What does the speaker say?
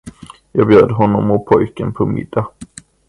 Jag bjöd honom och pojken på middag.